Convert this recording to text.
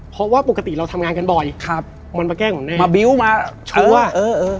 เพราะว่าปกติเราทำงานกันบ่อยมันมาแกล้งผมแน่